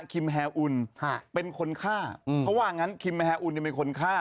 คิมแฮอุ่นเป็นคนฆ่าเพราะว่างั้นคิมแฮอุ่นเป็นคนฆ่า